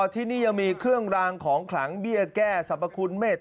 ที่นี่ยังมีเครื่องรางของขลังเบี้ยแก้สรรพคุณเมษ